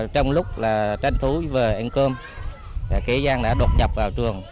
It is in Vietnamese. trong lúc là tranh thú về ăn cơm kẻ gian đã đột nhập vào trường